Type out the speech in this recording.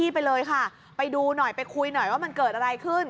ไปเลยค่ะไปดูหน่อยไปคุยหน่อยว่ามันเกิดอะไรขึ้น